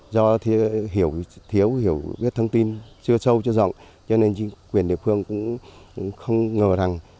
do thiếu hiểu thiếu hiểu biết thông tin chưa sâu chưa rộng cho nên chính quyền địa phương cũng không ngờ rằng